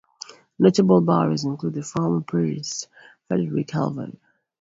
Notable burials include the former priest Frederik Helveg.